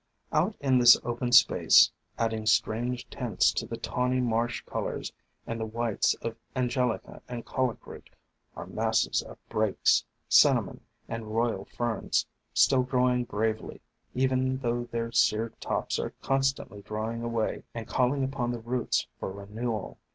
Out in this open place, adding strange tints to the tawny marsh colors and the whites of An gelica and Colic Root, are masses of Brakes, Cin namon, and Royal Ferns, still growing bravely, even though their seared tops are constantly drying away and calling upon the roots for renewal.